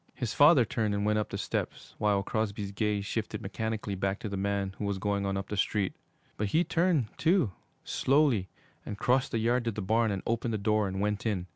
His father turned and went up the steps, while Crosby's gaze shifted mechanically back to the man who was going on up the street. But he turned, too, slowly, and crossed the yard to the barn and opened the door and went in.